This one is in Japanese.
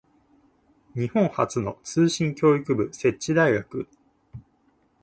日本初の通信教育部設置大学